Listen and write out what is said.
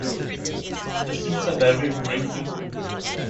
The seeds are very wrinkly.